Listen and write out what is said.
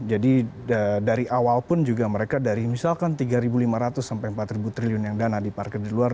jadi dari awal pun juga mereka dari misalkan tiga ribu lima ratus sampai empat ribu triliun yang dana diparkir di luar